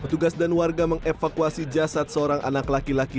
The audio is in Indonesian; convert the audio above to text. petugas dan warga mengevakuasi jasad seorang anak laki laki